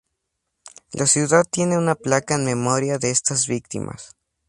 La ciudad tiene una placa en memoria de estas víctimas.